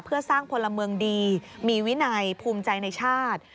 เพื่อสร้างพลเมืองดีมีวินัยภูมิใจในชาติ